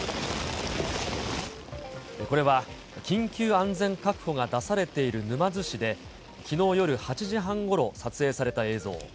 これは緊急安全確保が出されている沼津市で、きのう夜８時半ごろ、撮影された映像。